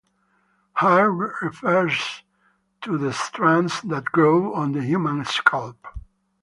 Hair refers to the strands that grow on the human scalp.